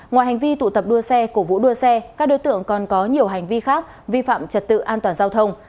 ngoài hành vi tụ tập đua xe cổ vũ đua xe các đối tượng còn có nhiều hành vi khác vi phạm trật tự an toàn giao thông